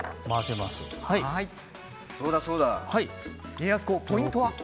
家康公ポイントは？